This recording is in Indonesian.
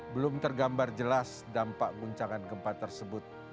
belum tergambar jelas dampak guncangan gempa tersebut